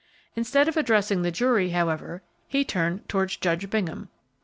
Instead of addressing the jury, however, he turned towards Judge Bingham.